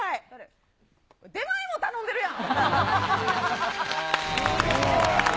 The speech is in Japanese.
出前も頼んでるやん。